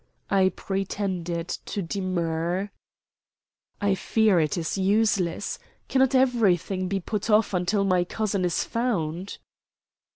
I pretended to demur. "I fear it is useless. Cannot everything be put off until my cousin is found?"